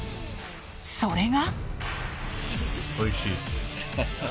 それが。